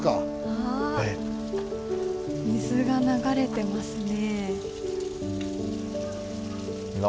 あ水が流れてますね。